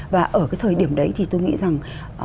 và ở cái thời điểm đấy thì tôi nghĩ rằng